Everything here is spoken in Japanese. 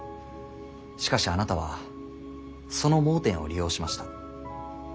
しかしあなたはその盲点を利用しました。